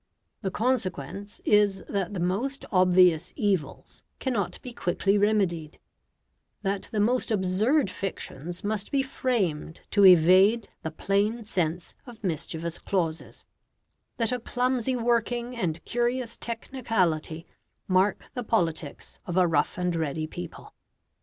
The consequence is that the most obvious evils cannot be quickly remedied; that the most absurd fictions must be framed to evade the plain sense of mischievous clauses; that a clumsy working and curious technicality mark the politics of a rough and ready people.